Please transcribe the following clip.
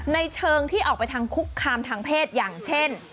ในเชิงที่ออกไปทางคุกคามทางเพศอย่างเช่น